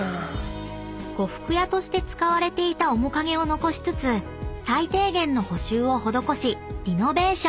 ［呉服屋として使われていた面影を残しつつ最低限の補修を施しリノベーション］